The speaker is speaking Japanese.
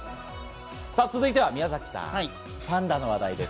続いては宮崎さん、パンダの話題です。